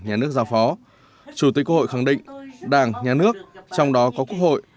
nhà nước giao phó chủ tịch quốc hội khẳng định đảng nhà nước trong đó có quốc hội